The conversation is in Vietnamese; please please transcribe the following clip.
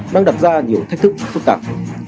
đang đặt ra nhiều thách thức phức tạp